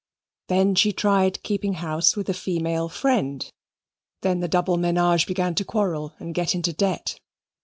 Then she tried keeping house with a female friend; then the double menage began to quarrel and get into debt.